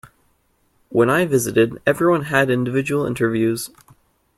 When I visited everyone had individual interviews.